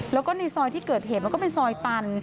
แล้วก็ในซอยที่เกิดเหตุมันก็เป็นซอยตัน